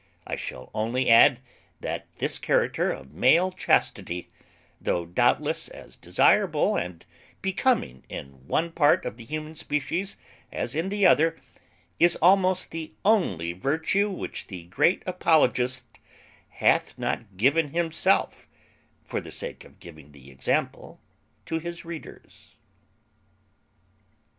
I shall only add that this character of male chastity, though doubtless as desirable and becoming in one part of the human species as in the other, is almost the only virtue which the great apologist hath not given himself for the sake of giving the example to his readers.